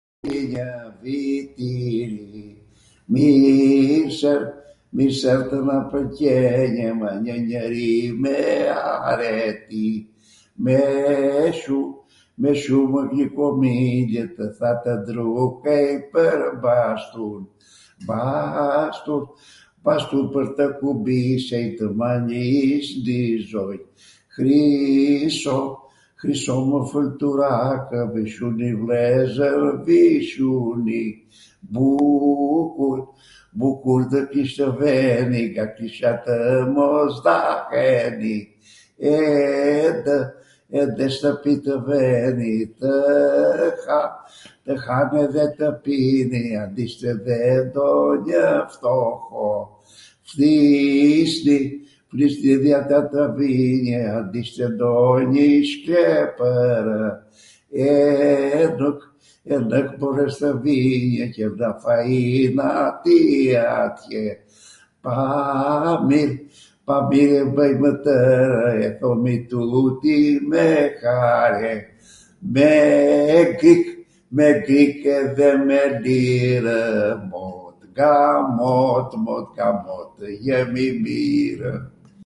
eja vit i ri, mirse, mirse tw na pwlqenjw, me njw njeri me areti, me shum, me shumw glikomiljw, qw ata dru ke pwr bastun, bastun, bastun pwr tw kubisej, ndw mal ishnw di zoq, hriso, hrisomw fulturakw, vishuni, vllezwr, vishuni, bukur, bukur ndw kish tw veni, nga kisha tw mos daheni, e ndw, e ndw shtwpi tw veni, tw ha, tw hani edhe tw pini, andish tw ve ndonjw ftoho, flisni, fliisni ata trapinjw, andishtw ndonj' i shqepwrw, e nuk, e nwk mbores tw vinjw, qwllja fain atij atjw, pa mir, pa mirw bwjmw twrw, e thomi tuti me hare, me grik. me grik edhe me dirw, mot nga mot, mot nga mot tw jemi mirw.